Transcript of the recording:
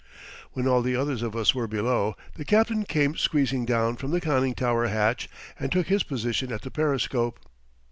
When all the others of us were below, the captain came squeezing down from the conning tower hatch and took his position at the periscope.